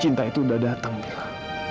cinta itu udah datang gitu